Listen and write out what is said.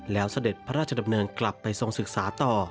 แล้วเสด็จพระราชดำเนินกลับไปทรงศึกษาต่อ